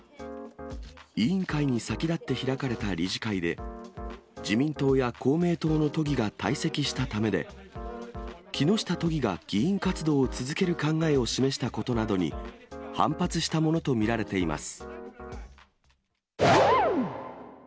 委員会に先立って開かれた理事会で、自民党や公明党の都議が退席したためで、木下都議が議員活動を続ける考えを示したことなどに反発したものと見られています。